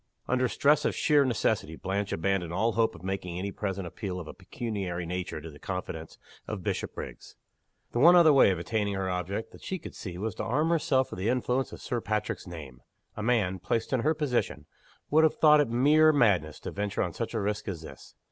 Under stress of sheer necessity Blanche abandoned all hope of making any present appeal of a pecuniary nature to the confidence of Bishopriggs. The one other way of attaining her object that she could see was to arm herself with the influence of Sir Patrick's name. A man, placed in her position, would have thought it mere madness to venture on such a risk as this.